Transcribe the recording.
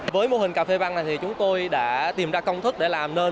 với mô hình cà phê văn này thì chúng tôi đã tìm ra công thức để làm nên